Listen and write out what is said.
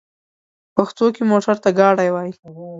په پښتو کې موټر ته ګاډی وايي.